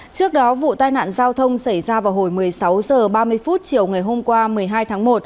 trước đó vụ tai nạn giao thông xảy ra vào hồi một mươi sáu h ba mươi chiều ngày hôm qua một mươi hai tháng một